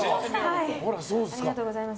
ありがとうございます。